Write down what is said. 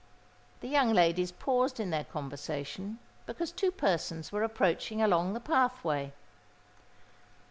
The young ladies paused in their conversation, because two persons were approaching along the pathway.